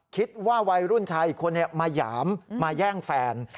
คิดว่าวัยรุ่นชายอีกคนมาหยามมาแย่งแฟน